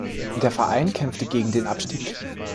Der Verein kämpfte gegen den Abstieg.